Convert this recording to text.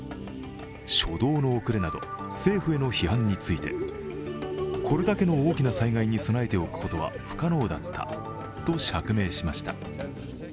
初動の遅れなど、政府への批判についてこれだけの大きな災害に備えておくことは不可能だったと釈明しました。